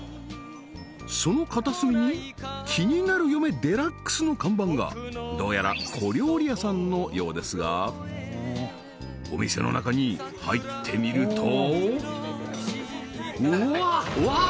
その片隅にきになる嫁デラックスの看板がどうやら小料理屋さんのようですがお店の中に入ってみるとうわっわー！